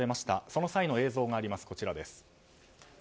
その際の映像があります。